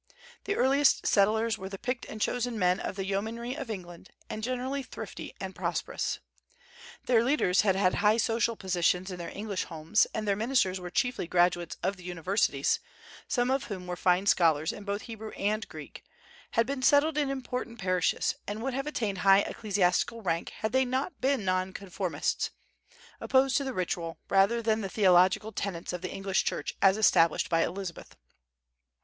The earliest settlers were the picked and chosen men of the yeomanry of England, and generally thrifty and prosperous. Their leaders had had high social positions in their English homes, and their ministers were chiefly graduates of the universities, some of whom were fine scholars in both Hebrew and Greek, had been settled in important parishes, and would have attained high ecclesiastical rank had they not been nonconformists, opposed to the ritual, rather than the theological tenets of the English Church as established by Elizabeth.